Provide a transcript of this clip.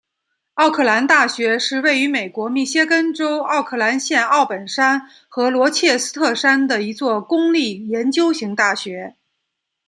奥克兰大学是位于美国密歇根州奥克兰县奥本山和罗切斯特山的一所公立研究型大学。